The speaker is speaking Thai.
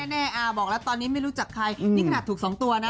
แน่อ่าบอกแล้วตอนนี้ไม่รู้จักใครนี่ขนาดถูกสองตัวนะ